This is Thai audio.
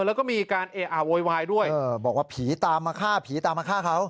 แล้วก็มีการเออะโวยวายด้วยบอกว่าผีตามมาฆ่าผีตามมาฆ่าเขา